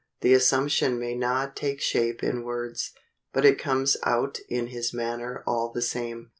The assumption may not take shape in words, but it comes out in his manner all the same.